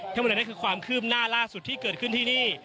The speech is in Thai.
ทั้งหมดนั้นคือความคืบหน้าล่าสุดที่เกิดขึ้นที่นี่